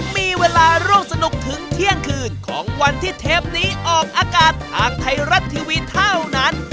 มีเวลาร่วมสนุกถึงเที่ยงคืนของวันที่เทปนี้ออกอากาศทางไทยรัฐทีวีเท่านั้น